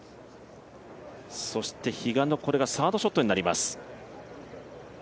そして比嘉の、これがサードショットになります。